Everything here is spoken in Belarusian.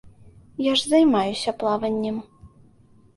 Я ж займаюся плаваннем.